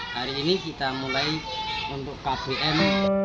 hari ini kita mulai untuk kbm